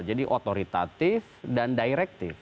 jadi otoritatif dan direktif